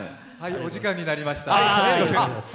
お時間になりました。